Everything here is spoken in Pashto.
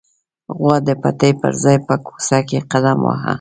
غوا د پټي پر ځای په کوڅه کې قدم واهه.